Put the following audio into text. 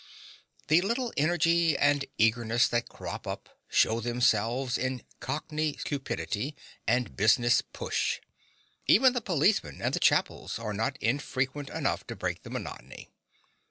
The little energy and eagerness that crop up show themselves in cockney cupidity and business "push." Even the policemen and the chapels are not infrequent enough to break the monotony.